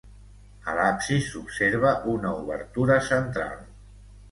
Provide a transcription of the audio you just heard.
A l'absis s'observa una obertura central.